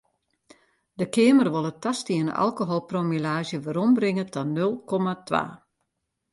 De Keamer wol it tastiene alkoholpromillaazje werombringe ta nul komma twa.